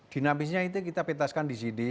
dinamisnya itu kita petaskan di sini